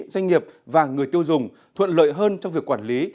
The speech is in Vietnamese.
doanh nghiệp và người tiêu dùng thuận lợi hơn trong việc quản lý